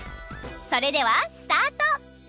それではスタート！